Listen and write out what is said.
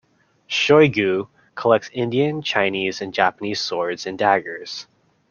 Shoygu collects Indian, Chinese and Japanese swords and daggers.